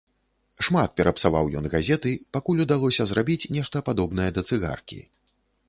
Шмат перапсаваў ён газеты, пакуль удалося зрабіць нешта падобнае да цыгаркі.